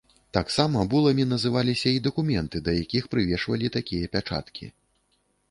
Таксама буламі назваліся і дакументы да якіх прывешвалі такія пячаткі.